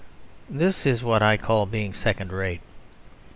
This is what I call being second rate.